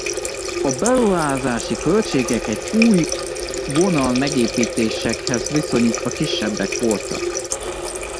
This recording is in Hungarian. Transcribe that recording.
A beruházási költségek egy új vonal megépítésekhez viszonyítva kisebbek voltak.